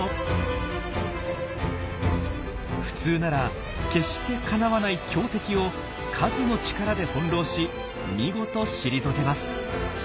普通なら決してかなわない強敵を数の力で翻弄し見事退けます。